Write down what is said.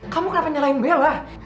kamu kenapa nyalahin bella